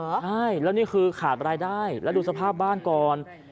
ใช่แล้วนี่คือขาดรายได้แล้วดูสภาพบ้านก่อน